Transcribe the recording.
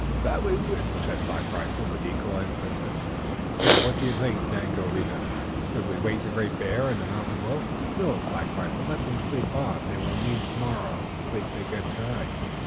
"That we would," said Black Rifle, with equal emphasis. "Now, what do you think, Daganoweda? Should we wake the Great Bear and the Mountain Wolf?" "No, Black Rifle. Let them sleep on. They will need tomorrow the sleep they get tonight.